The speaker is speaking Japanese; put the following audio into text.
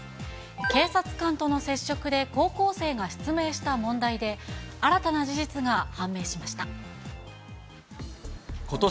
警察官との接触で高校生が失明した問題で、新たな事実が判明しまこと